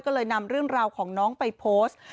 ก็เลยนำเรื่องราวของน้องไปโพสต์